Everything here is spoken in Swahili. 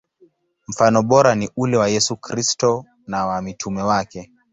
Mfano bora ni ule wa Yesu Kristo na wa mitume wake.